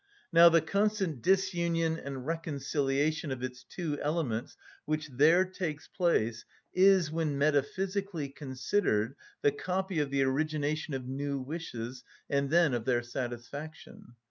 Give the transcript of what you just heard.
Now the constant disunion and reconciliation of its two elements which there takes place is, when metaphysically considered, the copy of the origination of new wishes, and then of their satisfaction.